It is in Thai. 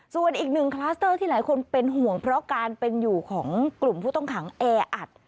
ส่วนอีกหนึ่งคลัสเตอร์ที่หลายคนเป็นห่วงเพราะการเป็นอยู่ของกลุ่มผู้ต้องขังแออัด